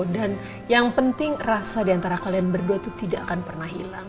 dan yang penting rasa diantara kalian berdua tuh tidak akan pernah hilang